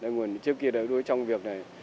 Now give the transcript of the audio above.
nguồn trước kia là đối trong việc này